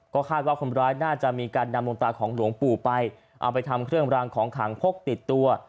ก็คาดว่าคนร้ายน่าจะมีการนำหลวงตาของหลวงปู่ไปเอาไปทำเครื่องรางของขังพกติดตัว